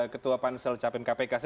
ketua pansel capin kpkc